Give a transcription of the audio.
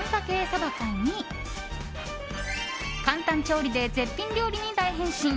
サバ缶に簡単調理で絶品料理に大変身。